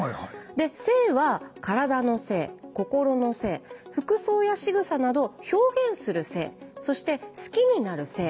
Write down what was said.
で性は「体の性」「心の性」服装やしぐさなど「表現する性」そして「好きになる性」。